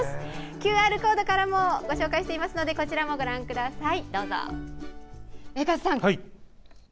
ＱＲコードからもご紹介していますのでご覧ください。